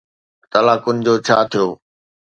طلاقن جو ڇا ٿيو؟